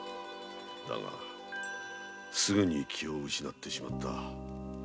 だがすぐに気を失ってしまった。